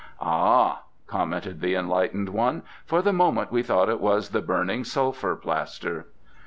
"Ah," commented the Enlightened One, "for the moment we thought it was the burning sulphur plaster."